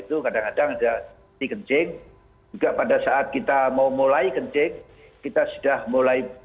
itu kadang kadang ada si kencing juga pada saat kita mau mulai kencing kita sudah mulai